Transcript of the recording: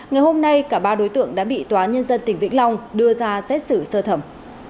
ngày hôm nay cả ba đối tượng đã bị tòa nhân dân tỉnh vĩnh long đưa ra xét xử sơ thẩm